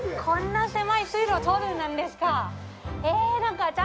こんな狭い水路を通るんですか。